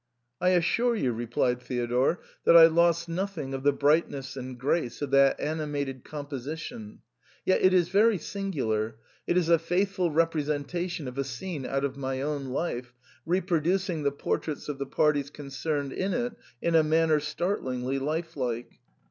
" I assure you," replied Theodore, " that I lost nothing of the brightness and grace of that animated composition ; yet it is very singular, — it is a faithful representation of a scene out of my own life, reproducing the portraits of the parties concerned in it in a manner startlingly life like.